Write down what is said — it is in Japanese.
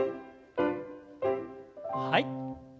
はい。